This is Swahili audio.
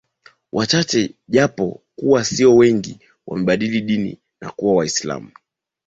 Wachache japokuwa sio wengi wamebadili dini na kuwa waiislamu